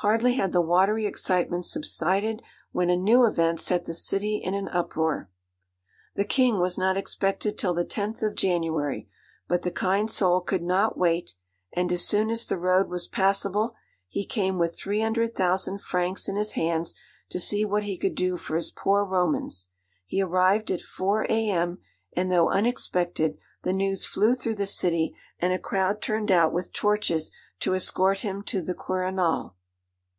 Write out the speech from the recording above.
Hardly had the watery excitement subsided when a new event set the city in an uproar. The King was not expected till the tenth of January; but the kind soul could not wait, and, as soon as the road was passable, he came with 300,000 francs in his hands to see what he could do for his poor Romans. He arrived at 4 A.M., and though unexpected, the news flew through the city, and a crowd turned out with torches to escort him to the Quirinal.